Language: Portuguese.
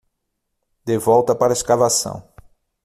de volta para a escavação.